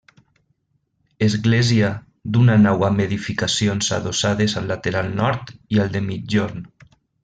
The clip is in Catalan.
Església d'una nau amb edificacions adossades al lateral nord i al de migjorn.